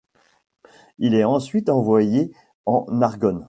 Il est ensuite envoyé en Argonne.